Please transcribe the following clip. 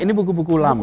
ini buku buku lama